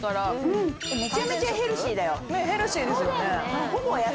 ヘルシーですよね。